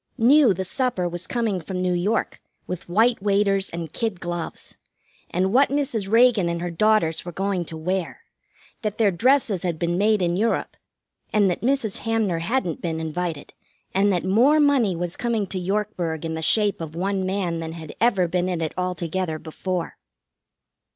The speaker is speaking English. Knew the supper was coming from New York, with white waiters and kid gloves. And what Mrs. Reagan and her daughters were going to wear. That their dresses had been made in Europe, and that Mrs. Hamner hadn't been invited, and that more money was coming to Yorkburg in the shape of one man than had ever been in it altogether before.